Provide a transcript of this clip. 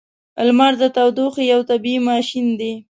• لمر د تودوخې یو طبیعی ماشین دی.